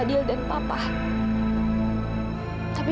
tapi jika tante meminta kamila untuk meninggalkan papa